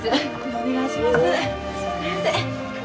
お願いします。